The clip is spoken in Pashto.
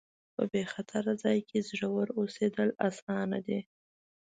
په بې خطره ځای کې زړور اوسېدل اسانه دي.